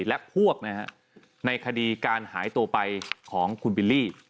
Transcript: และพวกในคดีการหายตัวไปของคุณบิลลี่